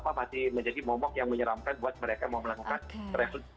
jadi masih menjadi momok yang menyeramkan buat mereka mau melakukan resursi